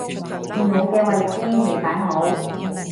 字母嘅位置未擺好